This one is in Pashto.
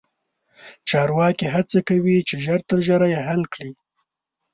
چارواکي هڅه کوي چې ژر تر ژره یې حل کړي.